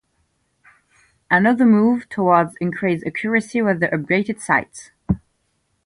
Another move toward increased accuracy was the upgraded sights.